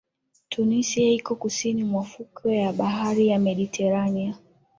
Tunisia iko kusini mwa fukwe ya bahari ya mediterania